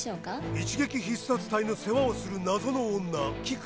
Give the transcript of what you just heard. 一撃必殺隊の世話をする謎の女キク。